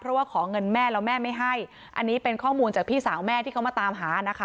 เพราะว่าขอเงินแม่แล้วแม่ไม่ให้อันนี้เป็นข้อมูลจากพี่สาวแม่ที่เขามาตามหานะคะ